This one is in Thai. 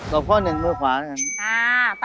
ตอบข้อหนึ่งมือขวานะครับ